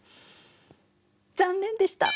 残念でした！